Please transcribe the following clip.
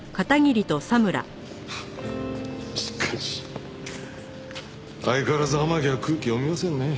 フッしかし相変わらず天樹は空気読みませんね。